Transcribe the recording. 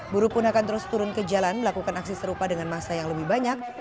buruh pun akan terus turun ke jalan melakukan aksi serupa dengan masa yang lebih banyak